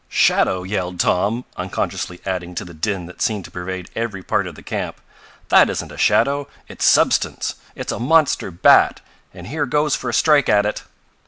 "Shadow!" yelled Tom, unconsciously adding to the din that seemed to pervade every part of the camp. "That isn't a shadow. It's substance. It's a monster bat, and here goes for a strike at it!"